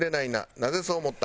なぜそう思った？」